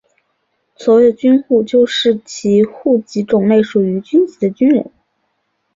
所谓的军户就是其户籍种类属于军籍的军人。